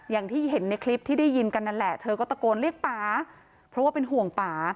อย่างที่เห็นในคลิปที่ได้ยินกันนั่นแหละเธอก็ตะโกนเรียกป่าเพราะว่าเป็นห่วงป่า